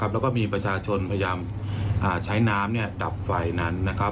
แล้วก็มีประชาชนพยายามใช้น้ำดับไฟนั้น